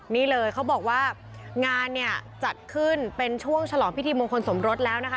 นี่เลยเขาบอกว่างานเนี่ยจัดขึ้นเป็นช่วงฉลองพิธีมงคลสมรสแล้วนะคะ